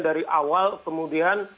dari awal kemudian